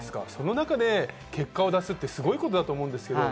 その中で結果を出すっていうのは、すごいことだと思うんです。